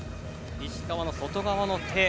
石川の外側の手。